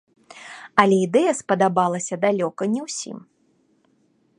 Але ідэя спадабалася далёка не ўсім.